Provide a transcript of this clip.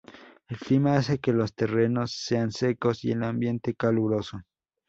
El clima hace que los terrenos sean secos y el ambiente caluroso.